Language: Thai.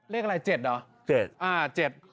เล็กอะไร๗หรอ